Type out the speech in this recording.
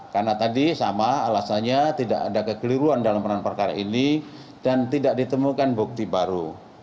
karena tadi sama alasannya tidak ada kekeliruan dalam peran perkara ini dan tidak ditemukan bukti baru